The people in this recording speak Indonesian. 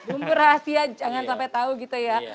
bumbu rahasia jangan sampai tahu gitu ya